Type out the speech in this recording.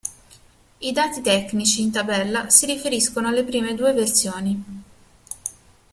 I dati tecnici in tabella si riferiscono alle prime due versioni.